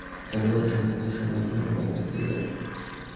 তাহলে তারা সংক্ষিপ্তসময়ের জন্য দেখা দিয়ে গেল?